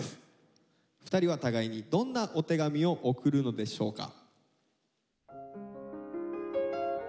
２人は互いにどんなお手紙を送るのでしょうか。